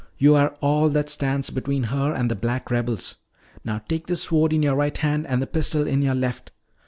You are all that stands between her and the black rebels. Now take this sword in your right hand and the pistol in your left.